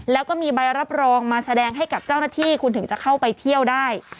แล้วก็มีใบรับรองมาแสดงให้กับเจ้าหน้าที่คุณถึงจะเข้าไปเที่ยวได้